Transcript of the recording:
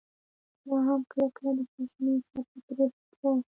خو لا به هم کله کله د خواشينۍڅپه پرې راتله.